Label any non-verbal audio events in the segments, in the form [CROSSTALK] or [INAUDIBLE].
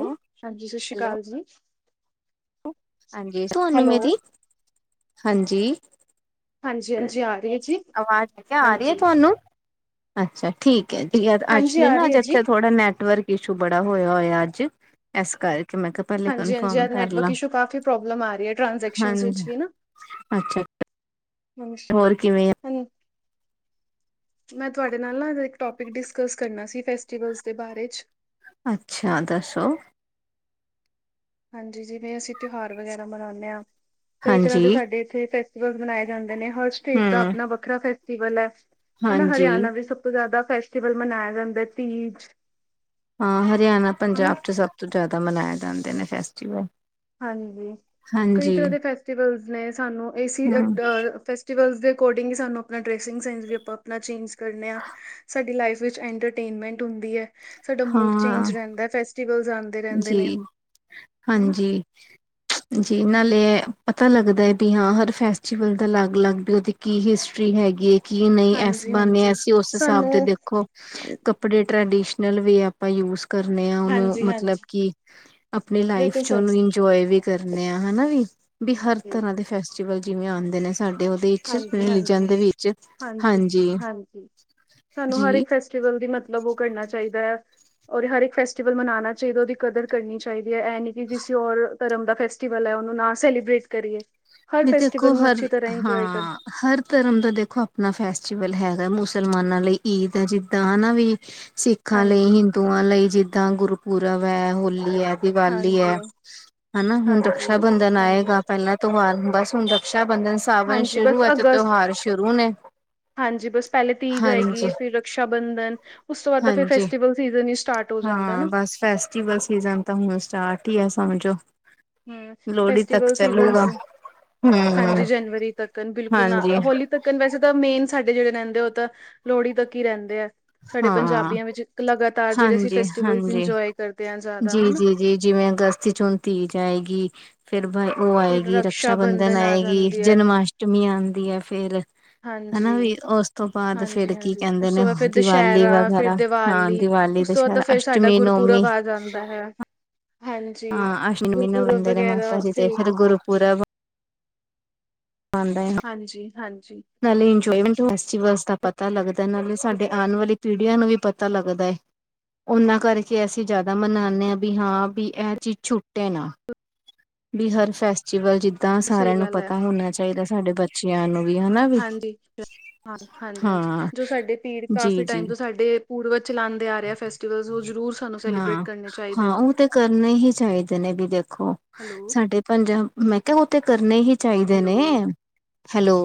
Hello ਹਾਂਜੀ ਸਤਿ ਸ਼੍ਰੀ ਹੈਲੋ ਅਕਾਲ ਜੀ ਹਾਂਜੀ ਤੁਹਾਨੂੰ ਹੈਲੋ ਮੇਰੀ, ਹਾਂਜੀ ਹਾਂਜੀ, ਹਾਂਜੀ ਆ ਰਹੀ ਏ ਜੀ ਆਵਾਜ਼ ਮੈ ਕਿਆ ਕੇ ਆ ਰਹੀ ਏ ਹਾਂਜੀ ਤੁਹਾਨੂੰ ਅੱਛਾ ਠੀਕ ਹੈ ਜੀ ਹਾਂਜੀ ਐਕਚੁਲੀ ਆ ਨਾ ਰਹੀ ਅਜ ਹੈ ਜੀ ਇੱਥੇ ਥੋੜਾ ਨੈਟਵਰਕ ਇਸ਼ੂ ਬੜਾ ਹੋਇਆ-ਹੋਇਆ ਅੱਜ ਇਸ ਕਰਕੇ ਮੈਂ ਕਿਹਾ ਪਹਿਲੇ ਹਾਂਜੀ ਹਾਂਜੀ ਕਨਫਰਮ ਅਜ ਕਰ ਨੈਟਵਰਕ ਲਾ ਇਸ਼ੂ ਕਾਫ਼ੀ ਪ੍ਰੋਬਲਮ ਆ ਰਹੀ ਹੈ ਟ੍ਰਾਂਜੈਕਸ਼ਨਸ ਵਿੱਚ ਹਾਂਜੀ ਵੀ ਨਾ ਅੱਛਾ ਹੋਰ ਕਿਵੇਂ ਆ [UNINTELLIGIBLE] ਮੈਂ ਤੁਹਾਡੇ ਨਾਲ ਨਾ ਇਕ ਟੋਪਿਕ ਡਿਸਕਸ ਕਰਨਾ ਸੀ ਫੈਸਟਿਵਲਸ ਦੇ ਬਾਰੇ ਅੱਛਾ ਦੱਸੋ ਹਾਂਜੀ ਜਿਵੇਂ ਅਸੀਂ ਤਿਉਹਾਰ ਵਗੈਰਾ ਮਨਾਨੇ ਆ ਕਈ ਤਰ੍ਹਾਂ ਹਾਂਜੀ ਦੇ ਸਾਡੇ ਇੱਥੇ ਮਨਾਏ ਜਾਂਦੇ ਨੇ ਹਰ ਸਟੇਟ ਦਾ ਹਮ ਅਪਣਾ ਵੱਖਰਾ ਫੈਸਟੀਵਲ ਹੈ ਹੈਨਾ ਹਾਂਜੀ ਹਰਿਆਣਾ ਤੋਂ ਜ਼ਿਆਦਾ ਫੈਸਟੀਵਲ ਮਨਾਇਆ ਜਾਂਦਾ ਐ ਤੀਜ ਹਾਂ ਹਰਿਆਣਾ ਹਨਾ ਪੰਜਾਬ ਚ ਸਭ ਤੋਂ ਜ਼ਿਆਦਾ ਮਨਾਏ ਜਾਂਦੇ ਨੇ ਫੈਸਟੀਵਲ ਹਾਂਜੀ ਕਈ ਹਾਂਜੀ ਤਰ੍ਹਾਂ ਦੇ ਫੈਸਟੀਵਲਸ ਨੇ ਸਾਨੂੰ ਏਸੀ ਹਮ ਫੇਸਟਿਵਲ ਦੇ ਅਕੋਰਡਿੰਗ ਹੀ ਸਾਨੂੰ ਆਪਣਾ ਡਰੈਸਿੰਗ ਸੈਂਸ ਵੀ ਆਪਾਂ ਆਪਣਾ ਚੇਂਜ ਕਰਨੇ ਆ ਸਾਡੀ ਲਾਈਫ ਵਿੱਚ ਐਂਟਰਟੇਨਮੈਂਟ ਹੁੰਦੀ ਐ ਸਾਡਾ ਮੂਡ ਹਾਂ ਚੇਂਜ ਰਹਿੰਦਾ ਫੈਸਟੀਵਲਸ ਆਨ ਦੇ ਰਹਿੰਦੇ ਜੀ ਨੇ ਹੈਨਾ [UNINTELLIGIBLE] ਜੀ ਨਾਲੇ ਇਹ ਪਤਾ ਲੱਗਦਾ ਐ ਵੀ ਹਾਂ ਹਰ ਫੈਸਟੀਵਲ ਦਾ ਅਲਗ ਅਲੱਗ ਵੀ ਉਹ ਕੀ ਹਿਸਟਰੀ ਹੈਗੀ ਐ ਕੀ ਨਹੀਂ ਇਸ ਹਾਂਜੀ ਬਹਾਨੇ ਹਾਂਜੀ ਅਸੀਂ ਉਸ ਹਿਸਾਬ ਸਾਨੂੰ ਦੇ ਦੇਖੋ ਆਪਣੇ ਟਰੈਡੀਸ਼ਨਲ ਵੇ ਆਪਾਂ ਯੂਜ਼ ਕਰਨੇ ਆ ਉਹਨੂੰ ਹਾਂਜੀ ਮਤਲ ਮਤਲਬ ਹਾਂਜੀ ਕਿ ਆਪਣੀ ਲਾਈਫ ਬਿਲਕੁਲ ਚ ਸਹੀ ਉਹਨੂੰ ਇੰਜੋਏ ਵੀ ਕਰਨੇ ਆ ਹੈਨਾ ਵੀ ਵੀ ਹਰ ਤਰ੍ਹਾਂ ਦੇ ਫੈਸਟੀਵਲ ਜਿਵੇਂ ਆਉਂਦੇ ਨੇ ਸਾਡੇ ਉਹਦੇ ਹਾਂਜੀ ਹਾਂਜੀ [UNINTELLIGIBLE] ਹਾਂਜੀ ਜੀ ਫੈਸਟਿਵਲ ਮਤਲਬ ਉਹ ਕਰਨਾ ਚਾਹੀਦਾ ਐ, ਔਰ ਹਰ ਇੱਕ ਫੈਸਟੀਵਲ ਮਨਾਣਾ ਚਾਹੀਦਾ ਉਹਦੀ ਕਦਰ ਕਰਨੀ ਚਾਹੀਦੀ ਐ ਇਹ ਨੀ ਕਿ ਕਿਸੇ ਹੋਰ ਧਰਮ ਦਾ ਫੈਸਟੀਵਲ ਹੈ, ਉਹਨੂੰ ਨਾ ਸੇਲੀਬ੍ਰੇਟ ਕਰੀਏ ਹਰ ਵੀ ਦੇਖੋ, ਫੈਸਟੀਵਲ ਨੂੰ ਹਰ ਅੱਛੀ ਤਰ੍ਹਾਂ ਇੰਜੋਏ ਕਰ ਹਾਂ ਹਰ ਧਰਮ ਦਾ ਦੇਖੋ ਆਪਣਾ ਫੈਸਟੀਵਲ ਹੈਗਾ। ਮੂਸ ਲਮਾਨਾਂ ਲਈ ਈਦ ਹੈ, ਜਿੱਦਾਂ ਹੈਨਾ ਵੀ ਸਿੱਖਾਂ ਲਈ, ਹਾਂਜੀ ਹਿੰਦੂ ਲਈ ਜਿੱਦਾਂ ਗੁਰਪੁਰਬ ਹੈ, ਹੋਲੀ ਹੈ। ਦੀਵਾਲੀ ਹਾਂਜੀ ਹੈ, ਹੈਨਾ ਹੁਣ ਹਾਂਜੀ ਰਕਸ਼ਾ ਬੰਧਨ ਹਾਂਜੀ ਆਏਗਾ, ਪਹਿਲਾਂ ਤਿਓਹਾਰ ਨੂੰ ਬੱਸ ਹੁਣ ਰਕਸ਼ਾ ਬੰਧਨ ਸਾਵਣ ਹਾਂਜੀ ਸ਼ੁਰੂ ਬਸ ਹੈ, ਤੇ ਅਗਸਤ ਤਿਉਹਾਰ ਸ਼ੁਰੂ ਨੇ। ਹਾਂਜੀ, ਬੱਸ ਪਹਿਲੇ ਤੀਜ਼ ਹਾਂਜੀ ਆਏਗੀ, ਫਿਰ ਰਕਸ਼ਾ ਬੰਧਨ, ਉਸ ਤੋਂ ਬਾਅਦ ਤਾਂ ਫਿਰ ਹਾਂਜੀ ਫੈਸਟੀਵਲ ਸੀਜਨ ਹੀ ਸਟਾੱਟ ਹਾਂ, ਬੱਸ ਫੈਸਟੀਵਲ ਸੀਜਨ ਤਾਂ ਹੁਣ ਸਟਾੱਟ ਹੀ ਆ ਸਮਝੋ। ਹੂੰ ਲੋਹੜੀ ਤੱਕ ਫੈਸਟੀਵਲ ਸੀਜ਼ਨਸ। ਚੱਲੂਗਾ ਹਾਂਜੀ, ਹਮ ਜਨਵਰੀ ਤੱਕ ਬਿਲਕੁਲ ਨਾ, ਹਾਂਜੀ ਹੋਲੀ ਤੱਕ। ਕਨ ਵੈਸੇ ਤਾਂ ਮੇਨ ਸਾਡੇ ਜਿਹੜੇ ਰਹਿੰਦੇ, ਉਹ ਤਾਂ ਲੋਹੜੀ ਤੱਕ ਹੀ ਰਹਿੰਦੇ ਐ। ਸਾਡੇ ਹਾਂ ਪੰਜਾਬੀਆਂ ਵਿੱਚ ਲਗਾਤਾਰ, ਜਿਹੜੇ ਅਸੀਂ ਹਾਂਜੀ ਫੈਸਟੀਵਲ ਹਾਂਜੀ ਇੰਜੋਏ ਕਰਦੇ ਹਾਂ ਜ਼ਿਆਦਾ ਜੀ ਹੈਨਾ। ਜੀ ਜੀ ਜਿਵੇਂ ਅਗਸਤ ਵਿਚ ਹੁਣ ਤੀਜ ਆਏਗੀ। ਫੇਰ ਬ ਉਹ ਫਿਰ ਆਏਗੀ, ਰਕਸ਼ਾ ਬੰਧਨ ਆ ਆਏਗੀ, ਜਾਂਦੀ ਹੈ ਜਨਮਾਸ਼ਟਮੀ ਆਉਂਦੀ ਹੈ। ਫੇਰ ਹੈਨਾ, ਹਾਂਜੀ ਵੀ ਉਸ ਤੋਂ ਬਾਅਦ ਫੇਰ ਹਾਂਜੀ ਕੀ ਹਾਂਜੀ ਕਹਿੰਦੇ ਉਸ ਤੋਂ ਨੇ। ਬਾਅਦ ਫਿਰ ਦੀਵਾਲੀ ਦੁਸਹਿਰਾ ਫਿਰ ਵਗੈਰਾ, ਹਾਂ ਦੀਵਾਲੀ, ਉਸ ਤੋਂ ਬਾਅਦ ਤਾਂ ਦੁਸ਼ਹਿਰਾ ਫਿਰ ਸਾਡਾ ਅਸ਼ਟਮੀ ਨੌਮੀ ਗੁਰਪੁਰਬ ਆ ਜਾਂਦਾ ਹੈ ਹਾਂਜੀ, ਹਾਂ ਅਸ਼ਟਮੀ ਨੌਮੀ ਨੂੰ ਗੁਰਪੁਰਬ ਮੰਨਦੇ ਨੇ ਮਾਤਾ ਵਗੈਰਾ ਜੀ ਤੇ ਸੀ। ਫਿਰ ਗੁਰਪੁਰਬ ਆਂਦਾ ਹੈ। ਹਾਂਜੀ, ਹਾਂਜੀ। ਨਾਲੇ ਇੰਜੋਮੈਂਟਸ ਫੈਸਟੀਵਲਸ ਦਾ ਪਤਾ ਲੱਗਦਾ, ਨਾਲੇ ਸਾਡੇ ਆਨ ਵਾਲੇ ਪੀੜੀਆਂ ਨੂੰ ਵੀ ਪਤਾ ਲੱਗਦਾ ਹੈ। ਉਹਨਾਂ ਕਰਕੇ ਅਸੀਂ ਜ਼ਿਆਦਾ ਮਨਾਉਂਦੇ ਹਾਂ, ਵੀ ਹਾਂ ਵੀ ਇਹ ਚੀਜ਼ ਛੁੱਟੇ ਨਾ। ਵੀ ਹਰ ਫੈਸਟੀਵਲ ਜਿੱਦਾਂ ਸਹੀ ਸਾਰਿਆਂ ਨੂੰ ਗੱਲ ਹੈ ਪਤਾ ਹੋਣਾ ਚਾਹੀਦਾ, ਸਾਡੇ ਬੱਚਿਆਂ ਨੂੰ ਵੀ ਹੈਨਾ ਵੀ। ਹੰਜੀ। [UNINTELLIGIBLE] ਹਾਂ, ਹਾਂਜੀ, ਹਾਂਜੀ, ਹਾਂ ਜੋ ਸਾਡੇ ਪੀੜ ਜੀ ਕਾਫੀ ਜੀ ਟਾਈਮ ਤੋਂ ਸਾਡੇ ਪੂਰਵਜ ਚਲਾਉਦੇ ਆ ਰਹੈ ਹਾਂ, ਫੈਸਟੀਵਲ ਉਹ ਜਰੂਰ ਸਾਨੂੰ ਸੇਲੀਬ੍ਰੇਟ ਹਾਂ ਕਰਨੇ ਚਾਹੀਦੇ ਹਾਂ ਨੇ। ਉਹ ਤੇ ਕਰਨੇ ਹੀ ਚਾਹੀਦੇ ਨੇ ਜੀ ਦੇਖੋ, ਹੈਲੋ ਸਾਡੇ ਪੰਜਾਬ ਮੈਂ ਕਿਹਾ ਉਹ ਤੇ ਕਰਨੇ ਹੀ। ਚਾਹੀਦਾ ਹੈਲੋ ਨੇ ਹੈਲੋ।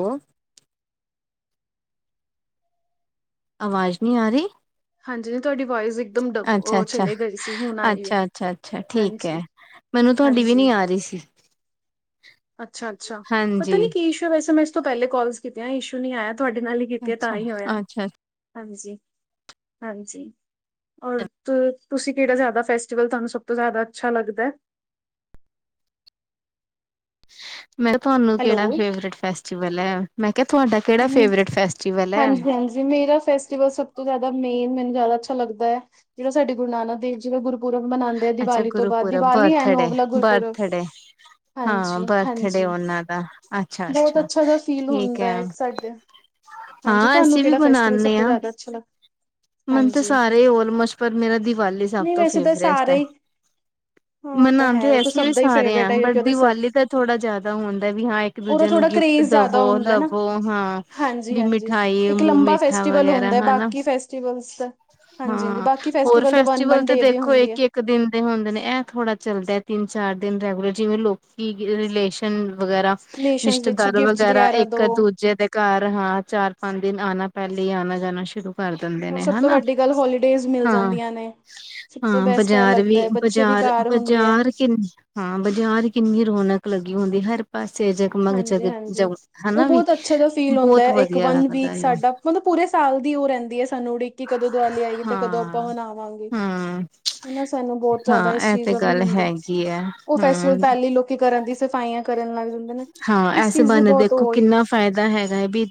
ਆਵਾਜ਼ ਨਹੀਂ ਆ ਰਹੀ। ਹਾਂਜੀ, ਜੀ ਤੁਹਾਡੀ ਵੋਇਸ ਇਕਦਮ ਡਬ ਅੱਛਾ ਉਹ ਅੱਛਾ ਚਲੇ ਗਏ ਸੀ, ਹੁਣ ਆਈ ਅੱਛਾ ਅੱਛਾ ਅੱਛਾ ਠੀਕ ਹੈ ਹਾਂਜੀ, ਹਾਂਜੀ। [UNINTELLIGIBLE] ਹ [INAUDIBLE] ਅੱਛਾ, ਅੱਛਾ, ਪਤਾ ਨੀ ਕੀ ਇਸ਼ੂ ਹੈ, ਵੈਸੇ ਮੈਂ ਇਸ ਤੋਂ ਪਹਿਲੇ ਕਾੱਲਸ ਕੀਤੀ, ਇਸ਼ੂ ਨੀ ਆਇਆ ਤੁਹਾਡੇ ਨਾਲ ਹੀ। ਕੀਤਿਆਂ, ਤਾਂ ਅੱਛਾ ਹੀ ਹੋਇਆ ਅੱਛਾ ਹਾਂਜੀ, ਹਾਂਜੀ। ਔਰ, ਤੁਸੀਂ ਕਿਹੜਾ ਜ਼ਿਆਦਾ ਫੇਸਟੀਵਲ ਤੁਹਾਨੂੰ ਸਭ ਤੋਂ ਜ਼ਿਆਦਾ ਅੱਛਾ ਲੱਗਦਾ। ਮੈਂ ਤੁਹਾਨੂੰ ਹੈਲੋ ਕਿਹੜਾ ਫ਼ੇਰੇਵਰੇਟ ਫੈਸਟੀਵਲ ਹੈ, ਮੈਂ ਕਿਹਾ ਤੁਹਾਡਾ, ਕਿਹੜਾ ਫੇਰੇਵਰੇਟ ਫੇਸਟੀਵਲ ਹੈ। ਹਾਂਜੀ-ਹਾਂਜੀ ਮੇਰਾ ਫੈਸਟੀਵਲ ਸਭ ਤੋਂ ਜਿਆਦਾ, ਮੇਨ ਮੈਨੂੰ ਜਾਦਾ ਅੱਛਾ ਲੱਗਦਾ ਹੈ, ਜਿਹੜਾ ਸਾਡੇ ਗੁਰੂ ਨਾਨਕ ਦੇਵ ਜੀ ਦਾ ਗੁਰਪੁਰਬ ਮਨਾਉਂਦੇ ਆ, ਅੱਛਾ ਦੀਵਾਲੀ ਤੋਂ ਬਾਅਦ ਗੁਰੂਪੁਰਬ ਦੀਵਾਲੀ ਹੈ, ਬਰਥਡੇ ਅਗਲਾ ਗੁਰਪੁਰਬ ਬਰਥਡੇ ਹਾਂ ਹਾਂਜੀ, ਬਰਥਡੇ ਹਾਂਜੀ, ਉਹਨਾਂ ਦਾ ਅੱਛਾ ਬਹੁਤ ਅੱਛਾ ਜਿਹਾ ਫੀਲ ਹੁੰਦਾ ਹੈ। ਹਾਂਜੀ, ਹਾਂ ਤੁਹਾਨੂੰ ਅਸੀਂ ਵੀ ਕਿਹੜਾ ਫੈਸਟੀਵਲ ਸਬ ਤੋਂ ਜਾਦਾ ਅੱਛਾ ਲਗਦਾ ਹੈ। ਮੈਨ ਤਾਂ ਸਾਰੇ ਹੀ ਔਲਮੋਸਟ ਪਰ ਮੇਰਾ ਦੀਵਾਲੀ ਸਭ ਨਹੀਂ ਤੋਂ ਵੈਸੇ ਤਾਂ ਫੇਵਰੇਸਟ ਹੈ। ਸਾਰੇ ਹੀ ਹਾਂ ਉਹ ਤਾਂ ਮਨਾਉਂਦੇ ਹੈ ਉਹ ਤਾਂ ਐਸੀਂ ਵੀ ਸਭ ਦਾ ਹੀ ਸਾਰੇ ਆ, ਫੇਵਰੇਟ ਹੈ ਪਰ ਕਿਉਂਕਿ ਉਹਦੇ ਸ ਦੀਵਾਲੀ ਤਾਂ ਥੋੜ੍ਹਾ ਜਿਆਦਾ ਹੁੰਦਾ ਵੀ ਹਾਂ ਇੱਕ ਉਹਦਾ ਦੂਜੇ ਨੂੰ ਥੋੜਾ ਗਿਫਟ ਕਰੇਜ਼ ਜ਼ਿਆਦਾ ਦੇਵੋ, ਹੁੰਦਾ ਹੈ ਨਾ। ਲਵੋ ਹਾਂ। ਵੀ ਹਾਂਜੀ-ਹਾਂਜੀ ਮਿਠਾਈ ਇੱਕ ਮੂੰਹ ਲੰਬਾ ਮਿੱਠਾ ਵਗੈਰਾ ਹੈਨਾ। ਫੈਸਟੀਵਲ 'ਚ ਤਾਂ ਹਾਂ, ਔਰ ਫੈਸਟੀਵਲ ਵਨ-ਵਨ ਤੇ ਡੇ ਦੇ ਦੇਖੋ ਹੁੰਦੀ ਹੈ। ਇੱਕ- ਇੱਕ ਇਕ ਦਿਨ ਦੇ ਹੁੰਦੇ ਨੇ, ਐਹ ਥੋੜ੍ਹਾ ਚੱਲਦਾ ਤਿੰਨ- ਚਾਰ ਦਿਨ ਰੈਗੂਲਰ ਜਿਵੇਂ ਲੋਕੀ ਰਿਲੇਸ਼ਨ ਵਗੈਰਾ ਰਿਲੇਸ਼ਨ ਵਿੱਚ ਰਿਸ਼ਤੇਦਾਰ ਗਿਫਟਸ ਵਗੈਰਾ ਦੋ ਇੱਕ- ਦੂਜੇ ਦੇ, ਘਰ ਹਾਂ ਚਾਰ- ਪੰਜ ਦਿਨ ਆਣਾ ਪਹਿਲੇ ਹੀ ਆਣਾ ਜਾਣਾ ਸ਼ੁਰੂ, ਕਰ ਦਿੰਦੇ ਔਰ ਨੇ ਸਭ ਤੋਂ ਹਨਾ, ਵੱਡੀ ਗੱਲ ਹੋਲੀਡੇਜ਼ ਮਿਲ ਆਂ। ਜਾਂਦੀਆਂ ਨੇ। ਸਭ ਤੋਂ ਹਾਂ ਬੈਸਟ ਇਹ ਬਾਜ਼ਾਰ ਲੱਗਦਾ ਵੀ, ਹੈ ਬੱਚੇ ਵੀ ਬਜ਼ਾਰ, ਘਰ ਹੁੰਦੇ ਹੈ ਬਜ਼ਾਰ। ਕਿੰਨ, ਹਾਂ ਬਾਜ਼ਾਰ ਕਿੰਨੀ ਰੌਣਕ ਲੱਗੀ ਹੁੰਦੀ। ਹਰ ਪਾਸੇ ਜ ਮਗ 'ਚ ਹਾਂਜੀ ਹਾਂਜੀ। ਜਾਊ ਉਹ ਹਨਾ ਵੀ, ਬਹੁਤ ਅੱਛਾ ਜਿਹਾ ਫੀਲ ਹੁੰਦਾ ਬਹੁਤ ਹੈ ਇੱਕ ਵਧੀਆ ਵਨ ਵੀਕ ਲੱਗਦਾ ਜਹਾਂ ਸਾਡਾ ਮਤਲਬ ਪੂਰੇ ਸਾਲ ਦੀ ਉਹ ਰਹਿੰਦੀ ਹੈ ਸਾਨੂੰ ਉਡੀਕੀ ਕਦੋਂ ਦੀਵਾਲੀ ਆਏਗੀ ਤੇ ਕਦੋਂ ਆਪਾਂ ਹਾਂ ਮਨਾਵਾਂਗੇ ਹਮ ਹਨਾ ਸਾਨੂੰ ਬਹੁਤ ਜ਼ਿਆਦਾ ਇਸ ਹਾਂ ਇਹ ਚੀਜ਼ ਤੇ ਦਾ ਵੀ ਗੱਲ ਹੁੰਦਾ। ਹੈਗੀ ਹੈ ਉਹ ਹਮ ਫੈਸਟੀਵਲ ਪਹਿਲੀ, ਲੁਕ ਕਿ ਕਰਨ ਦੀ, ਸਫਾਈਆਂ ਕਰਨ ਨਾਲ ਵੀ ਹਾਂ ਐਸ ਬਹਾਨੇ ਦੇਖੋ ਕਿੰਨਾ ਫਾਇਦਾ ਹੈਗਾ ਹੈ। ਵੀ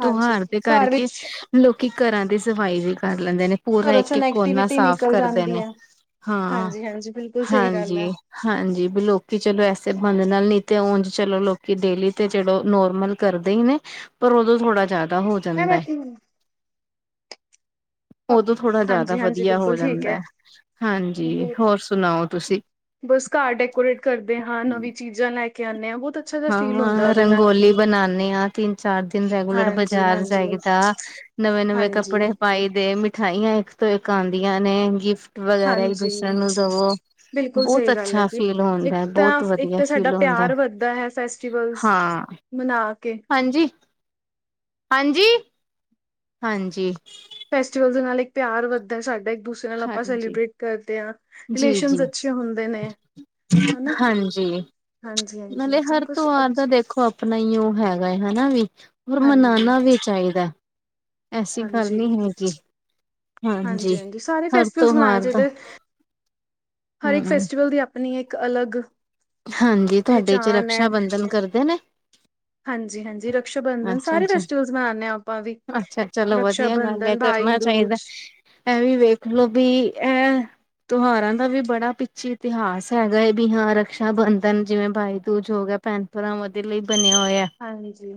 ਹਾਂਜੀ ਦੇ ਘਰ ਕਰਕੇ, ਵਿੱਚ ਲੋਕੀ ਘਰਾਂ ਦੀ ਸਫਾਈ ਵੀ ਕਰ ਲੈਂਦੇ ਨੇ। ਪੂਰਾ ਘਰੋਂ ਚੋਂ ਇੱਕ-ਇੱਕ ਕੋਨਾ ਨੈਗੇਟਿਵਿਟੀ ਸਾਫ ਨਿਕਲ ਕਰਦੇ ਜਾਂਦੀ ਨੇ, ਹੈ। ਹਾਂ ਹਾਂਜੀ ਹਾਂਜੀ ਬਿਲਕੁਲ ਸਹੀ ਗੱਲ ਹੈ ਹਾਂਜੀ। ਹਾਂਜੀ ਵੀ ਲੋਕੀ ਚਲੋ ਐਸੇ ਬਹਾਨੇ ਨਾਲ ਨਹੀ ਤੇ ਉਂਝ। ਚਲੋ ਲੋਕੀ ਡੇਲੀ ਤੇ ਜਿਹੜਾ ਨੋਰਮਲ ਕਰਦੇ ਹੀ ਨੇ, ਪਰ ਉਦੋਂ ਥੋੜਾ ਜਿਆਦਾ ਹੋਰ। ਕੈ ਬੈਠੀ ਨੂੰ। ਉਦੋਂ ਥੋੜ੍ਹਾ ਜਿਆਦਾ ਹਾਂਜੀ ਹਾਂਜੀ ਵਧੀਆ ਹੋ ਬਿਲਕੁਲ ਠੀਕ ਜਾਂਦਾ ਹੈ ਐ, ਹਾਂਜੀ ਹੋਰ ਸੁਣਾਓ ਤੁਸੀਂ। ਬਸ ਘਰ ਡੈਕੋਰੇਟ ਕਰਦੇ ਹਾਂ ਨਵੀਆਂ ਚੀਜ਼ਾਂ ਲੈ ਕੇ ਆਂਦੇ ਹਾਂ। ਬਹੁਤ ਅੱਛਾ ਜਿਹਾ ਹਾਂ- ਫੀਲ ਹੁੰਦਾ ਹਾਂ ਉਹਦੇ ਨਾਲ ਰੰਗੋਲੀ ਬਣਾਉਂਦੇ ਹਾਂ। ਤਿੰਨ- ਚਾਰ ਦਿਨ ਰੈਗੂਲਰ ਹਾਂਜੀ ਬਾਜ਼ਾਰ ਹਾਂਜੀ ਜਾਈਦਾ। ਨਵੇਂ-ਨਵੇਂ ਕੱਪੜੇ ਹਾਂਜੀ ਪਾਈਦੇ, ਮਿਠਾਈਆਂ ਇੱਕ ਤੋਂ ਇੱਕ ਆਂਦੀਆਂ ਨੇ, ਗਿਫ਼, ਗਿਫਟ ਵਗੈਰਾ ਇੱਕ ਹਾਂਜੀ ਦੂਸਰਿਆਂ ਨੂੰ ਦਵੋ। ਬਿਲਕੁਲ ਬਹੁਤ ਸਹੀ ਗੱਲ ਹੈ ਅੱਛਾ ਜੀ ਫੀਲ ਹੁੰਦਾ, ਬਹੁਤ ਵਧੀਆ ਫੀਲ ਹੁੰਦਾ। ਤੈ ਫੈਸਟੀਵਲਸ ਹਾਂ। ਮਨਾ ਕੇ। ਹਾਂਜੀ, ਹਾਂਜੀ, ਹਾਂਜੀ। ਫੈਸਟੀਵਲ ਦੇ ਨਾਲ ਇੱਕ ਪਿਆਰ ਵੱਧਦਾ ਸਾਡਾ ਇੱਕ ਦੂਜ ਨਾਲ ਆਪਾਂ ਹਾਂਜੀ, ਸੈਲੀਬ੍ਰਟ ਕਰਦੇ ਆਂ, ਰਿਲੇਸ਼ਨ ਜੀ-ਜੀ, ਅੱਛੇ ਹੁੰਦੇ ਨੇ। ਹਨਾ ਹਾਂਜੀ। ਹਾਂਜੀ ਹਾਂਜੀ ਨਾਲੇ ਹਰ ਬਸ ਤਿਉਹਾਰ ਦਾ ਦੇਖੋ ਆਪਣਾ ਹੀ ਉਹ ਹੈਗਾ ਏ ਹਨਾ ਵੀ। ਔਰ ਹਾਂਜੀ ਮਨਾਉਨਾ ਵੀ ਚਾਹੀਦਾ। ਐਸੀ ਗੱਲ ਨੀ ਹੈਗੀ। ਹਾਂਜੀ ਹਾਂਜੀ-ਹਾਂਜੀ ਸਾਰੇ ਹਰ ਫੈਸਟੀਵਲਸ ਮਨਾਣੇ ਤਿਉਹਾਰ ਦਾ ਚਾਹੀਦੇ, ਹਰ ਇੱਕ ਹੂੰ ਫੈਸਟੀਵਲ ਦੀ ਆਪ ਆਪਨੀ ਇੱਕ ਅਲੱਗ, ਹਾਂਜੀ ਤਾਡੇ 'ਚ ਪਹਿਚਾਣ ਰਕਸ਼ਾ ਬੰਧਨ ਕਰਦੇ ਨੇ। ਹਾਂਜੀ-ਹਾਂਜੀ ਰਕਸ਼ਾ ਬੰਧਨ ਅੱਛਾ ਸਾਰੇ ਅੱਛਾ ਫੈਸਟੀਵਲ ਮਨਾਂਦੇ ਆਪਾਂ ਵੀ। ਅੱਛਾ ਚਲੋ ਰਕਸ਼ਾ ਵਧੀਆ ਬੰਧਨ, ਭਾਈ ਦੂਜ। ਐਵੇ ਵੇਖ ਲੋ ਵੀ ਐਂ। ਤਿਉਹਾਰਾਂ ਦਾ ਵੀ ਬੜਾ ਪਿੱਛੇ ਇਤਿਹਾਸ ਹੈਗਾ ਏ ਬਿਹਾਰ। ਰਕਸ਼ਾ ਬੰਧਨ, ਜਿਵੇਂ ਬਾਈ ਦੂਜ ਹੋ ਗਿਆ ਭੈਣ ਭਰਾਵਾਂ ਦੇ ਲਈ ਬਣਿਆ ਹੋਇਆ ਹਾਂਜੀ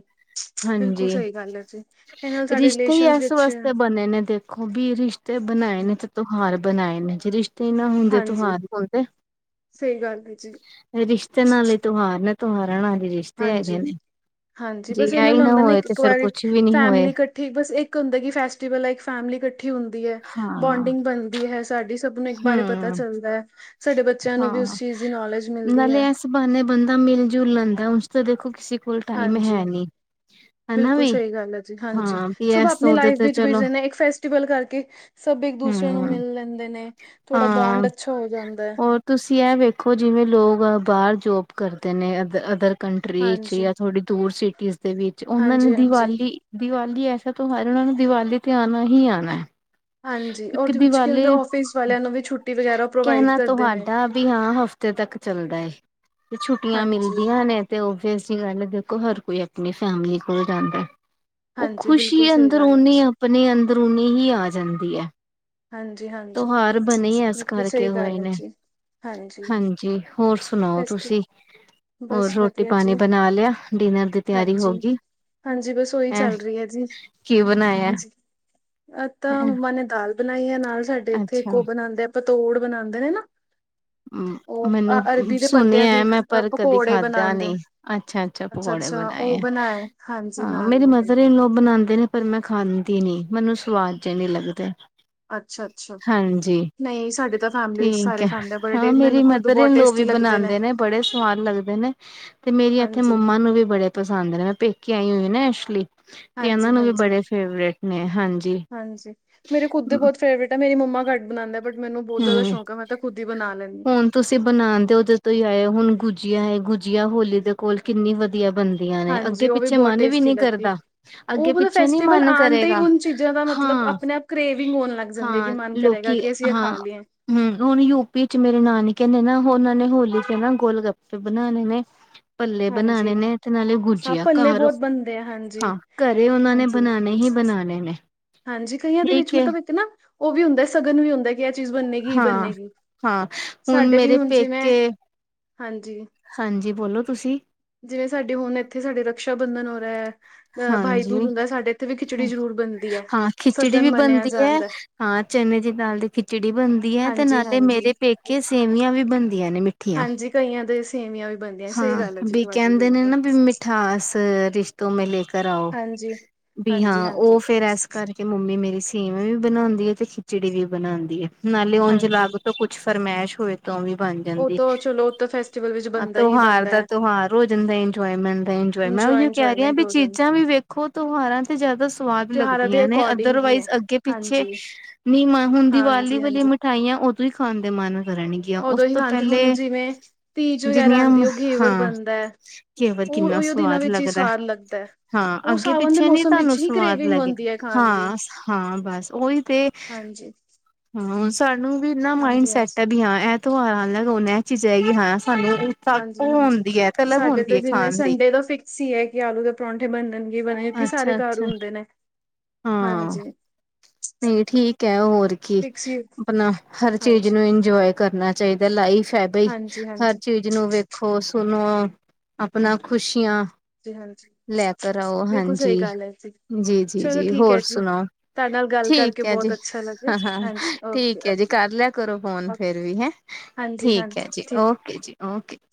ਬਿਲਕੁਲ ਹਾਂਜੀ ਸਹੀ ਗੱਲ ਹੈ ਜੀ ਇਹ ਨਾਲ ਸਾਡੇ ਰਿਸ਼ਤੇ ਹੀ ਰਿਲੇਸ਼ਨ ਐਸ ਵਿੱਚ ਵਾਸਤੇ ਬਣੇ ਨੇ ਤੇ। ਦੇਖੋ ਵੀ ਰਿਸ਼ਤੇ ਬਣਾਏ ਨੇ ਤੇ ਤਿਉਹਾਰ ਬਣਾਏ ਨੇ ਜੇ ਰਿਸ਼ਤੇ ਨਾ ਹੁੰਦੇ ਹਾਂਜੀ ਤਿਉਹਾਰ ਹੁੰਦੇ। ਸਹੀ ਗੱਲ। ਹੈ ਜੀ ਰਿਸ਼ਤੇ ਨਾਲ ਤਿਹਾਰ ਨੇ, ਤਿਉਹਾਰਾਂ ਨਾਲ ਹੀ ਰਿਸ਼ਤੇ। ਹੈਗੇ ਨੇ ਹਾਂਜੀ-ਹਾਂਜੀ ਜੇ ਬਸ ਇਹ ਇਹਨਾਂ ਹੀ ਨਾਲ ਹੁੰਦਾ ਨਾ, ਹੋਏ ਤੇ ਇੱਕ-ਇੱਕ ਫੇਰ ਵਾਰੀ ਕੁਛ ਵੀ ਨੀ ਹੋਏ ਫੈਮਲੀ, ਇਕੱਠੀ ਇਕੱਠੀ, ਬਸ ਇੱਕ ਹੁੰਦਾ ਕਿ ਫੈਸਟੀਵਲ ਹੈ। ਇੱਕ ਫੈਮਲੀ ਇਕੱਠੀ ਹੁੰਦੀ ਹੈ। ਹਾਂ ਬੋਂਡਿੰਗ ਬਣਦੀ ਏ ਸਾਡੀ। ਸਭ ਨੂੰ ਇਸ ਬਾਰੇ ਪਤਾ ਹਮ ਚੱਲਦਾ ਐ, ਸਾਡੇ ਬੱਚਿਆਂ ਨੂੰ ਵੀ ਹਾਂ ਉਸ ਚੀਜ਼ ਦੀ ਨੌਲੇਜ ਮਿਲਦੀ ਨਾਲੇ ਹੈਂ। ਇਸ ਬਹਾਨੇ ਬੰਦਾਂ ਮਿਲ਼ ਜੁਲ ਲੈਂਦਾ, ਉਸ ਤਾਂ ਦੇਖੋਂ ਕਿਸੇ ਕੋਲ ਟਾਇਮ ਹਾਂਜੀ ਹੈ ਨੀਂ। ਬਿਲਕੁਲ ਸਹੀ ਗੱਲ ਐ ਜੀ, ਹਾਂਜੀ ਵੀ ਸਭ ਇਸ ਆਪਣੀ ਸੋਦੇ ਲਾਈਫ ਤੇ ਵਿੱਚ ਚਲੋ ਬਿਜੀ ਇੱਕ ਫੈਸਟੀਵਲ ਕਰਕੇ ਸਭ ਇੱਕ ਦੂਸਰੇ ਨੂੰ ਹਮ ਮਿਲ ਲੈਂਦੇ ਨੇ, ਥੋੜਾ ਬੋਂਡ ਅੱਛਾ ਹੋ ਜਾਂਦਾ ਐ। ਔਰ ਤੁਸੀਂ ਐਹ ਵੇਖੋ ਜਿਵੇਂ ਲੋਕ ਬਾਰ ਜੋਬ ਕਰਦੇ ਨੇ ਐਦਰ ਅਦਰ। ਕੰਟਰੀ ਚ ਹਾਂਜੀ ਜਾਂ ਥੋੜੀ ਦੂਰ ਸਿਟੀਜ਼ ਦੇ ਵਿੱਚ ਉਹਨਾਂ ਨੂੰ ਹਾਂਜੀ ਹਾਂਜੀ ਦੀਵਾਲੀ ਦੀਵਾਲੀ ਐਸ਼ਾਂ ਤਿੳਹਾਰ, ਉਹਨਾਂ ਨੂੰ ਦੀਵਾਲੀ ਤੇ ਆਣਾ ਹੀ ਆਣਾ ਐ। ਹਾਂਜੀ ਉਹਦੇ ਵਿੱਚ ਕੀ ਹੁੰਦਾ ਔਫਿਸ ਵਾਲਿਆਂ ਨੂੰ ਵੀ ਛੁੱਟੀ ਵਗੈਰਾ ਪ੍ਰੋਵਾਈਡ ਕਰਦੇ ਨੇ। ਹਾਂ ਵੀ ਹਾਂ ਹਫ਼ਤੇ ਤੱਕ ਚੱਲਦਾ ਏ, ਤੇ ਛੁੱਟੀਆਂ ਹਾਂਜੀ ਮਿਲਦੀਆਂ ਨੇ। ਤੇ ਓਬੀਜ ਗੱਲ਼ ਏਂ, ਦੇਖੋ ਹਰ ਕੋਈ ਆਪਣੀ ਫੈਮਿਲੀ ਕੋਲ ਜਾਂਦਾ ਏ। ਹਾਂਜੀ ਬਿਲਕੁਲ ਸਹੀ ਗੱਲ ਐ ਐਚ। ਆਪਣੇ ਅੰਦਰ ਉਨੀ ਹੀ ਆ ਜਾਂਦੀ ਐ। ਹਾਂਜੀ ਹਾਂਜੀ ਤੋਉਹਾਰ ਬਣੇ ਈ ਐਸ ਬਿਲਕੁਲ ਕਰਕੇ ਸਹੀ ਹੋਏ ਗੱਲ ਹੈ ਨੇ। ਜੀ ਹਾਂਜੀ, ਹੋਰ ਸੁਣਾਓ ਬਸ ਤੁਸੀਂ। ਹੋਰ ਬਸ ਰੋਟੀ ਵਧੀਆ ਪਾਨੀ ਜੀ ਬਣਾ ਲਿਆ, ਡਿਨਰ ਦੀ ਤਿਆਰੀ ਹਾਂਜੀ ਹੋਗੀ। ਹਾਂਜੀ ਬਸ ੲੌਹੀ ਚੱਲ ਰਹੀ ਐ ਜੀ, ਕੀ ਬਣਾਇਆ ਹਾਂਜੀ ਐਤਾਂ ਮੰਮਾਂ ਨੇ ਦਾਲ ਬਣਾਈ ਆਂ ਨਾਲ ਸਾਡੇ ਇੱਥੇ ਇੱਕ ਅੱਛਾ ਉਹ ਬਣਾਂਦੇ ਆ ਪਤੋੜ ਬਣਾਂਦੇ ਨੇ ਨਾ। ਉਹ ਮੈਂਨੂੰ ਅ- ਅਰਬੀ ਦੇ ਪੱਤਿਆਂ ਸੁਣਿਆਂ ਦੀ ਐ, ਮੈਂ ਅ, ਪਰ ਕਦੀ ਪਕੌੜੇ ਖਾਂਦਾ ਬਣਾਉਂਦੇ ਨਈ। ਅੱਛਾ -ਅੱਛਾ ਪਕੌੜੇ ਅੱਛਾ ਉਹ ਬਣਾਏ ਆ, ਹਾਂਜੀ ਹਾਂ ਨਾਲ ਮੇਰੀ ਉਹ ਮਦਰ ਇਨ ਬਣਾਏ ਲੋਅ ਬਣਾਂਦੇ ਨੇ। ਪਰ ਮੈਂ ਖਾਂਦੀ ਨੀਂ, ਮੈਨੂੰ ਸਵਾਦ ਜੇ ਨੀ ਲੱਗਦੇ। ਅੱਛਾ -ਅੱਛਾ ਹਾਂਜੀ ਨਈ ਸਾਡੇ ਤਾਂ ਫੈਮਿਲੀ ਵਿੱਚ ਠੀਕ ਸਾਰੇ ਹੈ ਖਾਂਦੇ ਆ ਬਟ ਹਾਂ ਮੇਰੀ ਮਦਰ ਇਨ ਲੋਅ ਵੀ ਬਣਾਂਦੇ ਨੇ ਬੜੇ ਸਵਾਦ ਲੱਗਦੇ ਨੇ, ਤੇ ਮੇਰੀ ਐਥੇ ਹਾਂਜੀ ਮੰਮਾ ਮੈਂਨੂੰ ਵੀ ਬੜੇ ਪਸੰਦ ਨੇ ਮੈਂ ਪੇਕੇ ਆਈ ਹੋਈ ਨਾ ਇਸ ਲੀ। ਤੇ ਇਹਨਾਂ ਹਾਂਜੀ ਨੂੰ ਵੀ ਹਾਂਜੀ ਬੜੇ ਫੇਵਰੇਟ ਨੇ ਹਾਂਜੀ। ਤਾਂ ਮੇਰੀ ਮੰਮਾ ਕੱਢ ਬਣਾਂਦੇ, ਬਟ ਮੈਨੂੰ ਬਹੁਤ ਜ਼ਿਆਦਾ ਹਮ ਸ਼ੌਕ ਐ ਮੈਂ ਤੇ ਖ਼ੁਦ ਹੀ ਬਣਾ ਲੈਂਨੀ। ਹੁਣ ਤੁਸੀਂ ਬਣਾਂਦੇ ਹੋ ਤੋਂ ਤਦੇ ਹੀ ਆਏ ਹੋ, ਹੁਣ ਗੁਜੀਆ ਏ ਗੁਜੀਆ ਹੋਲੀ ਦੇ ਕੋਲ ਕਿੰਨੀ ਵਧੀਆਂ ਬਣਦੀਆਂ ਨੇ, ਹਾਂਜੀ ਅੱਗੇ ਉਹ ਵੀ ਪਿੱਛੇ ਬਹੁਤ ਮਨ ਵੀ ਟੇਸਟੀ ਨੀ ਲੱਗਦੀ ਕਰਦਾਂ। ਉਹ ਅੱਗੇ ਮਤਲਬ ਪਿੱਛੇ ਨੀ ਫੈਸਟੀਵਲ ਮਨ ਆਉਣ ਤੇ ਹੀ ਕਰੇਗਾ। ਉਨ ਚੀਜ਼ਾਂ ਦਾ ਮਤਲਬ ਹਾਂ ਆਪਣੇ ਆਪ ਕ੍ਰੇਵਿੰਗ ਹੋਣ ਲੱਗ ਜਾਂਦੇ, ਕਿ ਮਨ ਕਰੇਗਾ ਕਿ ਅਸੀਂ ਇਹ ਖਾ ਲੀਏ। ਹੂੰ ਹੁਣ ਯੂਪੀ ਚ ਮੇਰੇ ਨਾਨਕੇ ਨੇ ਨਾ, ਉਹਨਾਂ ਨੇ ਹੋਲੀ ਤੇ ਨਾ ਗੋਲ ਗੱਪੇ ਬਣਾਣੇ ਨੇ। [INAUDIBLE] ਭੱਲੇ ਬਣਾਣੇ ਹਾਂਜੀ ਨੇ ਤੇ ਨਾਲ਼ੇ ਹਾਂ ਗੁਜੀਆ ਭੱਲੇ ਘਰ, ਬਹੁਤ ਬਣਦੇ ਆ ਹਾਂਜੀ ਹਾਂ ਘਰੇਂ ਉਹਨਾਂ ਨੇ ਹਾਂਜੀ ਬਣਾਣੇ ਹੀ ਬਣਾਣੇ ਨੇ। [INAUDIBLE] ਹਾਂਜੀ ਕਈਆਂ ਦੇ ਵਿੱਚ ਠੀਕ ਹੈ ਮਤਲਬ ਇੱਕ ਨਾ ਉਹ ਵੀ ਹੁੰਦਾ ਸਗਨ ਵੀ ਹੁੰਦਾ। ਕਿ ਇਹ ਚੀਜ਼ ਬੰਨੇਗੀ ਹੀ ਹਾਂ- ਬੰਨੇਗੀ ਹਾਂ ਹੁਣ ਸਾਡੇ ਵੀ ਮੇਰੇ ਜਿਵੇਂ ਪੇਕੇ ਹਾਂਜੀ। ਹਾਂਜੀ ਬੋਲੋ ਤੁਸੀਂ। ਜਿਵੇਂ ਸਾਡੇ ਹੁਣ ਐਥੇ ਸਾਡੇ ਰਕਸ਼ਾ ਬੰਧਨ ਹੋ ਰੈ ਐ। ਅ ਬਾਈ ਦੂਜ ਹਾਂਜੀ ਹੁੰਦਾਂ ਐ, ਸਾਡੇ ਇੱਥੇ ਵੀ ਖਿਚੜੀ ਜ਼ਰੂਰ ਬਣਦੀ ਐ। ਹਾਂ ਖਿਚੜੀ ਵੀ ਬਣਦੀ ਐ, ਹਾਂ ਚਨੇ ਦੀ ਦਾਲ਼ ਦੀ ਖਿਚੜੀ ਬਣਦੀ ਐ ਤੇ ਹਾਂਜੀ ਨਾਲੇ ਹਾਂਜੀ ਮੇਰੇ ਪੇਕੇ ਸੇਵੀਆਂ ਵੀ ਬਣਦੀਆਂ ਨੇ ਮਿੱ ਹਾਂਜੀ ਕਈਆਂ ਦੇ ਸੇਵੀਆਂ ਵੀ ਬਣਦੀਆਂ, ਸਈ ਹਾਂ ਗੱਲ ਐ ਜੀ ਤੁਹਾਡੀ ਬਿਲਕੁਲ। ਤੇ ਰਿਸ਼ਤੋ ਮੈਂ ਲੈ ਕਰ ਆਓ, ਹਾਂਜੀ ਬੀ ਹਾਂ ਹਾਂਜੀ ਉਹ ਹਾਂਜੀ ਫੇਰ ਐਸ ਕਰਕੇ ਕਿ ਮੰਮੀ ਮੇਰੀ ਸੇਵੀਆਂ ਵੀ ਬਣਾਂਦੀ ਐ ਤੇ ਖਿਚੜੀ ਵੀ ਬਣਾਂਦੀ ਐ, ਨਾਲੇ ਉਂਝ ਹਾਂਜੀ ਲਾਗ ਤੋਂ ਫਰਮੈਸ਼ ਹੋਏ। ਤੋਂ ਓ ਵੀ ਬਣ ਜ ਉਹ ਤਾਂ ਚਲੋ ਉਹ ਤਾਂ ਆ ਫੈਸਟੀਵਲ ਵਿੱਚ ਬੰਣ ਦਾ ਤਿਉਹਾਰ ਦਾ ਤਿਉਹਾਰ ਹੋ ਜਾਂਦਾ ਇੰਜੋਏਮੈਂਟ ਦਾ ਇੰਜੋਏ ਮੈਂ ਉਹੀ ਕਹਿ ਰਹੀ ਹਾਂ ਇੰਜੋਏਮੈਂਟ ਵੀ ਹੋ ਜਾਂਦੀ ਚੀਜ਼ਾਂ ਵੀ ਵੇਖ ਖੋ ਤਿਉਹਾਰਾਂ ਤੇ ਜਿਆਦਾ ਸਵਾਦ ਤਿਉਹਾਰਾਂ ਦੇ ਲੱਗਦੀਆਂ ਨੇ ਅਕੋਰਡਿੰਗ ਹੀ ਅਦਰਵਾਈਜ਼ ਹੈ ਅੱਗੇ ਪਿੱਛੇ ਏ ਹਾਂਜੀ ਨੀ ਮਾ ਹੁਣ ਦੀਵਾਲੀ ਹਾਂਜੀ ਵਾਲੀ ਹਾਂਜੀ ਮਿਠਾਈਆਂ ਉਦੋਂ ਈ ਖਾਣ ਦੇ ਮਨ ਕਰਨ ਗੇ ਉਦੋਂ ਹੀ ਖਾਂਦੇ ਹੁਣ ਜਿਵੇਂ ਪੀਚ ਵਗੈਰਾ ਜਿੰਨੀਆਂ ਆਉਂਦੀ ਉਹ ਗੇਵਰ ਹਾਂ ਬਣਦਾ ਐ ਕੇਵਰ ਉਹ ਕਿੰਨਾ ਉਹੀਓ ਦਿਨਾਂ ਸਵਾਦ ਵਿੱਚ ਈ ਲੱਗਦਾ ਸਵਦ ਲੱਗਦਾ ਐ ਹਾਂ ਅੱਗੇ ਪਿੱਛੇ ਨਹੀਂ ਤੁਹਾਨੂੰ ਸਵਾਦ ਲੱਗੇਗਾ ਹੁੰਦੀ ਹੈ ਖਾਣ ਦੀ ਹਾਂ ਹਾਂ ਬਸ ਓਹੀ ਤੇ ਏ ਹਾਂਜੀ ਹਾਂ ਆ ਸਾਨੂੰ ਵੀ ਨਾ ਮਾਇੰਡ ਹਾਂਜੀ ਸੈਟ ਹਾਂਜੀ ਐ ਵੀ ਐਹ ਤੋਂ ਆ ਹੁਣ ਇਹ ਚੀਜ਼ਾਂ ਹੈਗੀ ਹਾਂ ਸਾਨੂੰ ਇਨਸਾ ਹਾਂਜੀ ਉਹ ਹਾਂਜੀ ਹੁੰਦੀ ਐ ਤਲਬ ਹੁੰਦੀ ਐ ਖਾਣ ਦੀ ਸੀ ਐ ਕੇ ਆਲੂ ਦੇ ਪਰੌਂਠੇ ਬਣਣਗੇ ਬਣੇ ਕੀ ਸਾਰੇ ਅੱਛਾ ਘਰ ਅੱਛਾ ਹੁੰਦੇ ਨੇ ਹਾਂ ਹਾਂਜੀ ਈ ਨਹੀਂ ਠੀਕ ਐ ਔਰ ਕੀ ਫਿਕਸ ਹੀ ਆਪਣਾ ਹਰ ਚੀਜ਼ ਹਾਂਜੀ ਨੂੰ ਇੰਜੋਏ ਕਰਨਾ ਚਾਹੀਦਾ ਲਾਈਫ ਐ ਬਈ ਹਾਂਜੀ ਹਰ ਹਾਂਜੀ ਚੀਜ਼ ਜੀਨੂੰ ਵੇਖੋ ਸੁਣੋ ਓ ਆਪਣਾ ਖੁਸ਼ੀਆਂ ਜੀ ਹਾਂਜੀ ਬਿਲਕੁਲ ਸਹੀ ਗੱਲ ਐ ਜੀ ਜੀ ਚਲੋ ਜੀ ਠੀਕ ਐ ਹੋਰ ਜੀ ਸੁਣਾਓ ਤਾਡੇ ਨਾਲ ਗੱਲ ਕਰਕੇ ਠੀਕ ਹੈ ਜੀ ਬਹੁਤ ਅੱਛਾ ਲੱਗਿਆ ਹਾਂ ਹਾਂ ਹਾਂਜੀ ਓਕੇ ਠੀਕ ਹੈ ਜੀ ਕਰ ਲਿਆ ਕਰੋ ਫੋਨ ਓਕੇ ਫੇਰ ਵੀ ਹੈਂ ਹਾਂਜੀ ਈ ਠੀਕ ਹੈ ਹਾਂਜੀ ਈ ਜੀ ਓਕੇ ਏ ਜੀ ਓਕੇ ਏ